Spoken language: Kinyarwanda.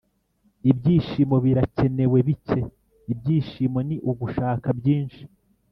ibyishimo birakenewe bike. ibyishimo ni ugushaka byinshi